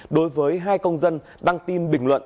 đối với hai công dân đăng tin bình luận